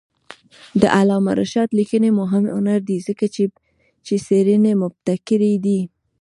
د علامه رشاد لیکنی هنر مهم دی ځکه چې څېړنې مبتکرې دي.